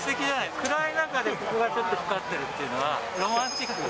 暗い中でここがちょっと光ってるっていうのは、ロマンチック。